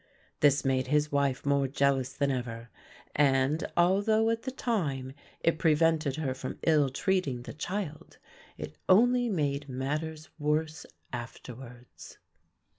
This made his wife more jealous than ever and, although at the time it prevented her from ill treating the child, it only made matters worse afterwards.